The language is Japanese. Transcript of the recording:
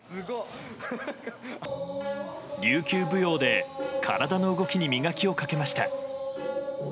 琉球舞踊で体の動きに磨きをかけました。